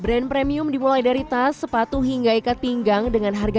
brand premium dimulai dari tas sepatu hingga ikat pinggang dengan harga